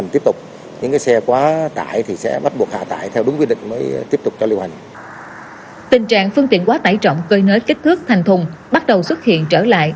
tình trạng phương tiện quá tải trọng cơi nới kích thước thành thùng bắt đầu xuất hiện trở lại